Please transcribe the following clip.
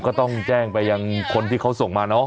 ก็ต้องแจ้งไปยังคนที่เขาส่งมาเนอะ